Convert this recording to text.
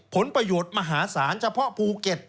ผลประโยชน์มหาศาลเฉพาะภูเก็ต